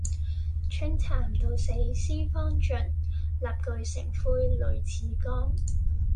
春蠶到死絲方盡，蠟炬成灰淚始干。